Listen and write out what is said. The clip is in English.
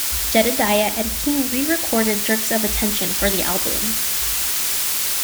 Jedediah and King re-recorded "Jerks of Attention" for the album.